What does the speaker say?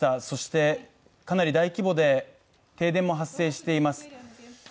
そして、かなり大規模で停電も発生しています。